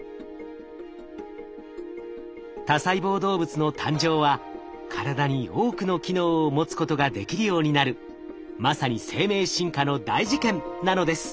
多細胞動物の誕生は体に多くの機能を持つことができるようになるまさに生命進化の大事件なのです。